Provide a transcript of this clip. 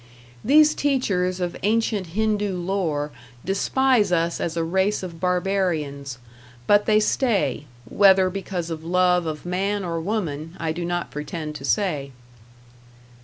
These teachers of ancient Hindoo lore despise us as a race of barbarians; but they stay whether because of love of man or woman, I do not pretend to say.